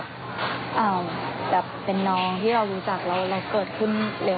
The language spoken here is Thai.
ก็ไม่ได้เหมียวอาหารอะไรนะคะ